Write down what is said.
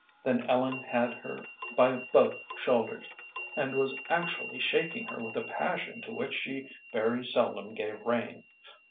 Then Ellen had her by both shoulders, and was actually shaking her with a passion to which she very seldom gave rein.